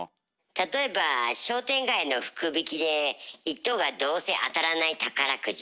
例えば商店街の福引きで１等がどうせ当たらない宝くじ。